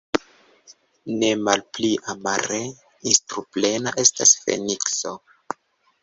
Nemalpli amare instruplena estas Fenikso.